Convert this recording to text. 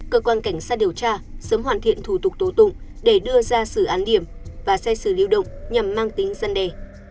cơ quan cảnh sát điều tra sớm hoàn thiện thủ tục tố tụng để đưa ra xử án điểm và xét xử lưu động nhằm mang tính dân đề